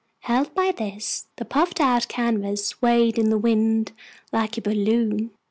Held by this, the puffed out canvas swayed in the wind like a balloon.